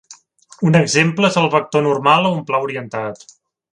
Un exemple és el vector normal a un pla orientat.